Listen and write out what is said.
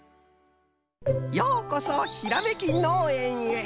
ようこそひらめきのうえんへ。